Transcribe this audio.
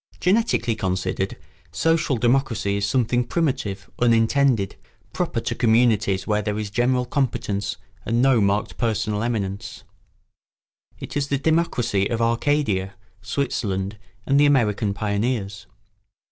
Genetically considered, social democracy is something primitive, unintended, proper to communities where there is general competence and no marked personal eminence. It is the democracy of Arcadia, Switzerland, and the American pioneers.